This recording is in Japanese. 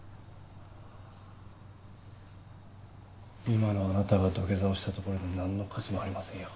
今のあなたが土下座をしたところでなんの価値もありませんよ。